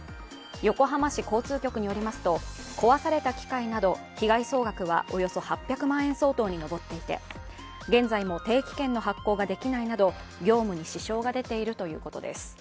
横浜市交通局によりますと壊された機械など被害総額はおよそ８００万円に相当に上っていて、現在も定期券の発行ができないなど、業務に支障が出ているということです。